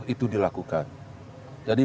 itu dilakukan jadi